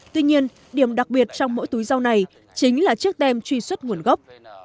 tuy nhiên điểm đặc biệt trong mỗi túi rau này chính là chiếc tem truy xuất nguồn gốc